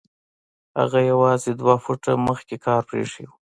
هغه يوازې درې فوټه مخکې کار پرېښی و.